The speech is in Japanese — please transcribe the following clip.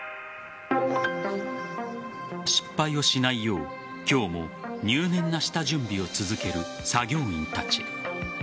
失敗をしないよう今日も入念な下準備を続ける作業員たち。